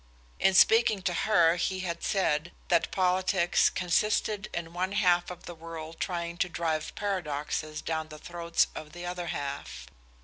In speaking to her he had said that politics "consisted in one half of the world trying to drive paradoxes down the throat of the other half."